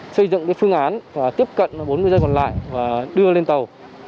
xây dựng phương án tiếp cận bốn ngư dân còn lại và đưa lên tàu